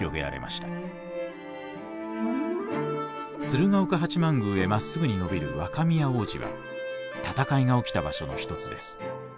鶴岡八幡宮へまっすぐに延びる若宮大路は戦いが起きた場所の一つです。